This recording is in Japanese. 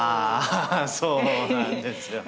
あそうなんですよ。